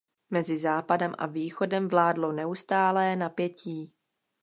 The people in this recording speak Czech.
Mezi Západem a Východem vládlo neustálé napětí.